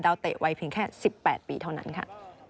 เตะวัยเพียงแค่๑๘ปีเท่านั้นค่ะ